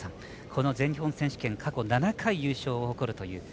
この全日本選手権過去７回優勝を誇るという。